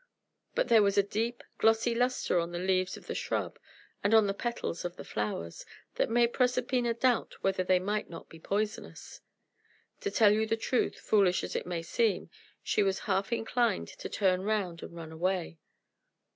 But there was a deep, glossy lustre on the leaves of the shrub, and on the petals of the flowers, that made Proserpina doubt whether they might not be poisonous. To tell you the truth, foolish as it may seem, she was half inclined to turn round and run away.